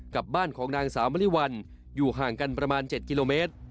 กับบ้านของนางสาวมริวัลอยู่ห่างกันประมาณ๗กิโลเมตร